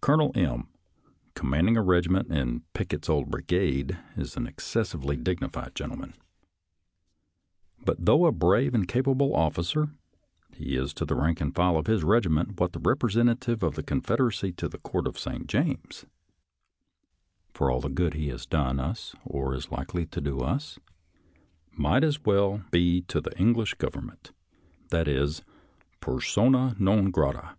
Colonel M., commanding a regiment in Pick ett's old brigade, is an excessively dignified gen tleman. But, though a brave and capable officer, he is to the rank and file of his regiment what the representative of the Confederacy to the Court of St. James (for all the good he has done us, or is likely to do us) might as well be to the English Government, that is, persona non grata.